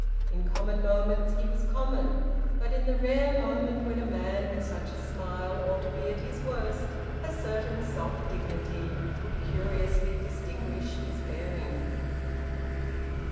In common moments he was common, but in the rare moment when a man with such a smile ought to be at his worst, a certain soft dignity would curiously distinguish his bearing.